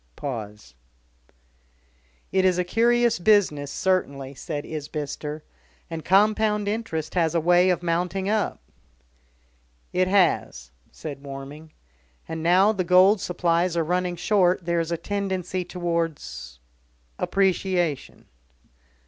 Pause. "It's a curious business, certainly," said Isbister. "And compound interest has a way of mounting up." "It has," said Warming. "And now the gold supplies are running short there is a tendency towards ... appreciation."